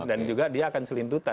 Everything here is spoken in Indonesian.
dan juga dia akan selintutan